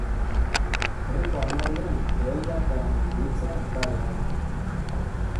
Herriko armarrian lehoiak daraman gurutzea da berau.